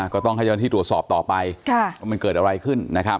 ก็ต้องให้เจ้าหน้าที่ตรวจสอบต่อไปว่ามันเกิดอะไรขึ้นนะครับ